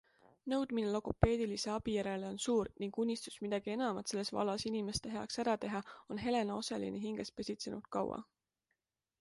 Nõudmine logopeedilise abi järele on suur ning unistus midagi enamat selles vallas inimeste heaks ära teha, on Helena Oselini hinges pesitsenud kaua.